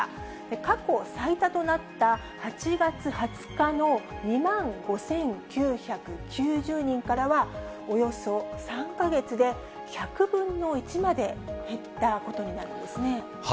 過去最多となった８月２０日の２万５９９０人からは、およそ３か月で１００分の１まで減ったことになるんですね。